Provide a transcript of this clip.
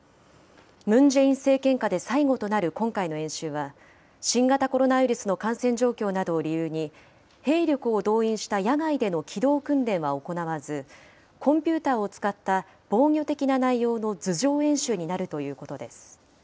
ムン・ジェイン政権下で最後となる今回の演習は、新型コロナウイルスの感染状況などを理由に、兵力を動員した野外での機動訓練は行わず、コンピューターを使った防御的な内容の図上演習になるということです。